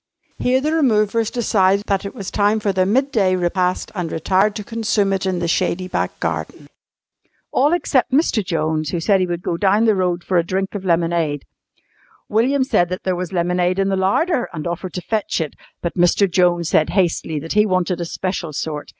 Here the removers decided that it was time for their midday repast and retired to consume it in the shady back garden. All except Mr. Jones, who said he would go down the road for a drink of lemonade. William said that there was lemonade in the larder and offered to fetch it, but Mr. Jones said hastily that he wanted a special sort.